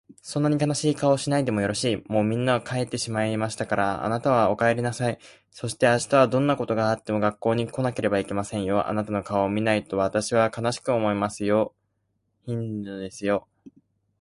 「そんなに悲しい顔をしないでもよろしい。もうみんなは帰ってしまいましたから、あなたはお帰りなさい。そして明日はどんなことがあっても学校に来なければいけませんよ。あなたの顔を見ないと私は悲しく思いますよ。屹度ですよ。」